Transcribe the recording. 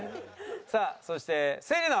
さあそして芹那。